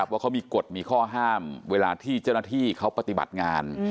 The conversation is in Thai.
ว่าเขามีกฎมีข้อห้ามเวลาที่เจ้าหน้าที่เขาปฏิบัติงาน